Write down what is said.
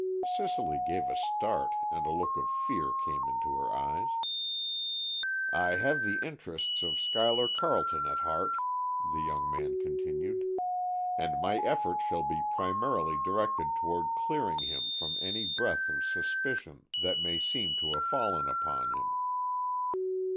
Cicely gave a start and a look of fear came into her eyes. "I have the interests of Schuyler Carleton at heart," the young man continued, "and my efforts shall be primarily directed toward clearing him from any breath of suspicion that may seem to have fallen upon him."